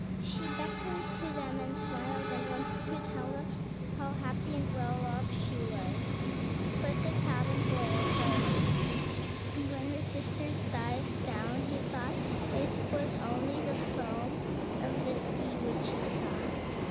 She beckoned to them, and smiled, and wanted to tell them how happy and well off she was; but the cabin boy approached, and when her sisters dived down he thought it was only the foam of the sea which he saw.